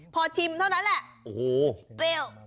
พอชิมเท่านั้นแหละเปรี้ยว